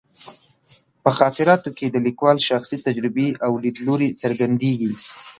په خاطراتو کې د لیکوال شخصي تجربې او لیدلوري څرګندېږي.